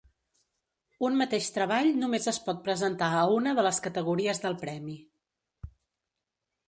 Un mateix treball només es pot presentar a una de les categories del Premi.